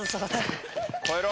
超えろ。